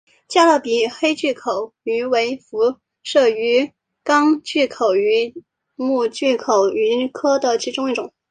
加勒比黑巨口鱼为辐鳍鱼纲巨口鱼目巨口鱼科的其中一种。